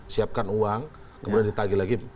siapkan uang kemudian ditagi lagi